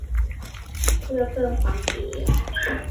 เพื่อเพิ่มความเก๋